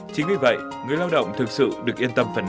chính vì vậy người lao động thực sự được yên tâm phần nào